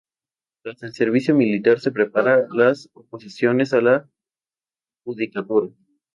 Tras el servicio militar se prepara las oposiciones a la judicatura.